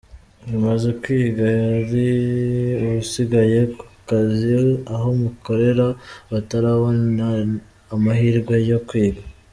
Mumaze kwiga, hari abasigaye ku kazi aho mukorera batarabona amahirwe yo kwiga.